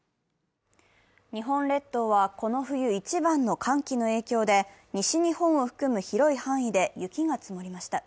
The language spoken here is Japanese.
日本列島はこの冬一番の寒気の影響で西日本を含む広い範囲で雪が積もりました。